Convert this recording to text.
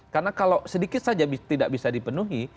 karena kalau sedikit saja tidak bisa dipenuhi